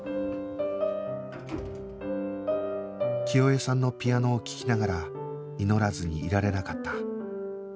清江さんのピアノを聴きながら祈らずにいられなかった